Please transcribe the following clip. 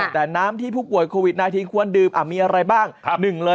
แต่น้ำที่ผู้ป่วยโควิด๑๙ควรดื่มมีอะไรบ้าง